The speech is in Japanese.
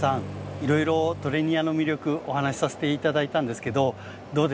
いろいろトレニアの魅力お話しさせて頂いたんですけどどうでしたか？